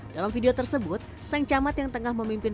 dalam video tersebut sang camat yang tengah memimpin